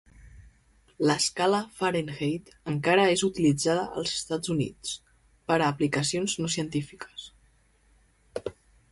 L'escala Fahrenheit encara és utilitzada als Estats Units per a aplicacions no científiques.